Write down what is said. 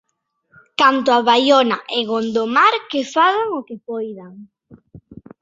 Canto a Baiona e Gondomar, que fagan o que poidan.